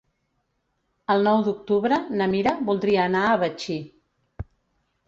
El nou d'octubre na Mira voldria anar a Betxí.